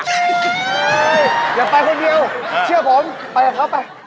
อย่าไปคนเดียวเชื่อผมไปกับเขาไป